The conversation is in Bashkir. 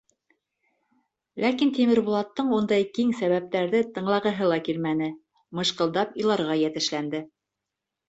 Ләкин Тимербулаттың ундай киң сәбәптәрҙе тыңлағыһы ла килмәне, мыжҡылдап иларға йәтешләнде.